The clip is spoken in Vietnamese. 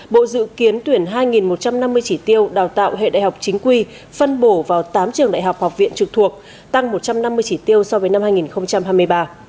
bộ dự kiến tuyển hai một trăm năm mươi chỉ tiêu đào tạo hệ đại học chính quy phân bổ vào tám trường đại học học viện trực thuộc tăng một trăm năm mươi chỉ tiêu so với năm hai nghìn hai mươi ba